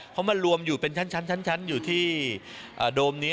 เขามารวมอยู่เป็นชั้นอยู่ที่โดมนี้